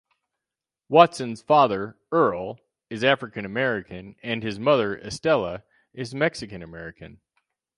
Watson's father, Earl, is African American and his mother, Estella, is Mexican American.